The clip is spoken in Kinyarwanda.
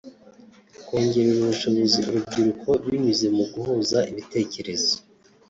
“Kongerera ubushobozi urubyiruko binyuze mu guhuza ibitekerezo